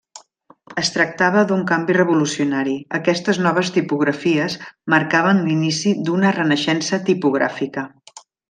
Es tractava d'un canvi revolucionari, aquestes noves tipografies marcaven l'inici d'una renaixença tipogràfica.